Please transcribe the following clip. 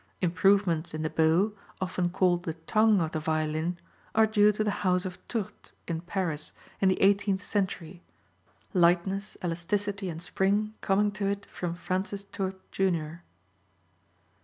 Improvements in the bow, often called the tongue of the violin, are due to the house of Tourte, in Paris, in the eighteenth century, lightness, elasticity and spring coming to it from Francis Tourte, Jr.